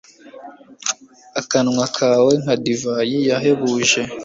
akanwa kawe nka divayi yahebuje